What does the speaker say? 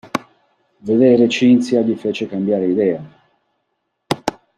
Vedere Cinzia gli fece cambiare idea.